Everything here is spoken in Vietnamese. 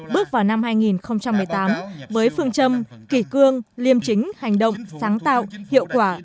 bước vào năm hai nghìn một mươi tám với phương châm kỷ cương liêm chính hành động sáng tạo hiệu quả